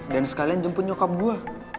dan sekalian jemput nyokap gua